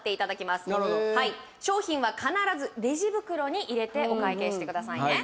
なるほど商品は必ずレジ袋に入れてお会計してくださいね